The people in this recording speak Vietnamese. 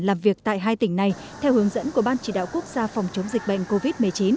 làm việc tại hai tỉnh này theo hướng dẫn của ban chỉ đạo quốc gia phòng chống dịch bệnh covid một mươi chín